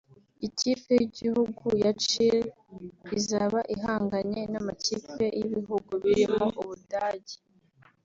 Ikipe y’igihugu ya Chili izaba ihanganye n’amakipe y’ibihugu birimo Ubudage